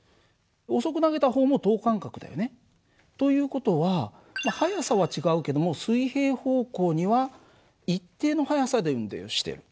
遅く投げた方も等間隔だよね。という事は速さは違うけども水平方向には一定の速さで運動をしてる。